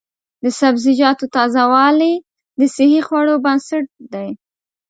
د سبزیجاتو تازه والي د صحي خوړو بنسټ دی.